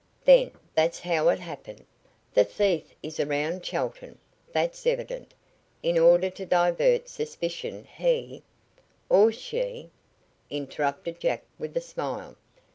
"Then that's how it happened. The thief is around Chelton that's evident. In order to divert suspicion he " "Or she," interrupted Jack with a smile.